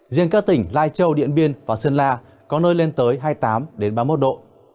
riêng các tỉnh lai châu điện biên và sơn la có nơi lên tới hai mươi tám ba mươi một độ